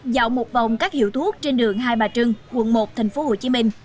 dạo một vòng các hiệu thuốc trên đường hai bà trưng quận một thành phố hồ chí minh